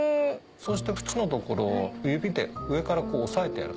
そして縁の所を指で上から押さえて。